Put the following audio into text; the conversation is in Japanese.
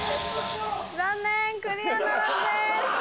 残念クリアならずです。